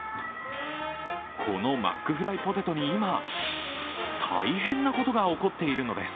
このマックフライポテトに今、大変なことが起こっているのです。